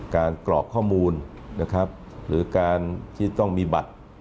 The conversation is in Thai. กรอกข้อมูลนะครับหรือการที่ต้องมีบัตร